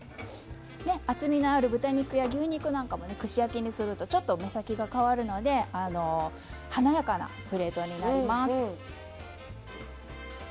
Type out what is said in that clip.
厚みのある豚肉や牛肉なんかも串焼きにするとちょっと目先が変わるので華やかなプレートになります。